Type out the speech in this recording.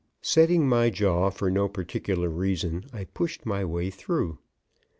Setting my jaw for no particular reason, I pushed my way through.